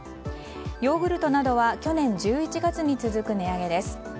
ヨーグルトなどは去年１１月に続く値上げです。